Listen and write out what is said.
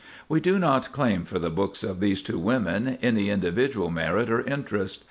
We do not claim for the books of these two women any individual merit or interest.